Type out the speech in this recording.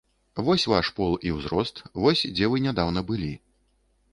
Вось ваш пол і ўзрост, вось дзе вы нядаўна былі.